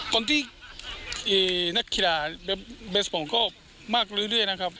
คนที่นักกีฬาเบสผมก็มากเรื่อยนะครับ